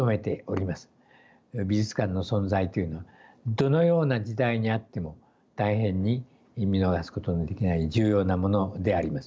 美術館の存在というのはどのような時代にあっても大変に見逃すことのできない重要なものであります。